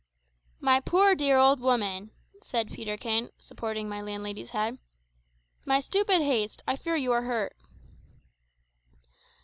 "My poor dear old woman," said Peterkin, supporting my landlady's head; "my stupid haste I fear you are hurt."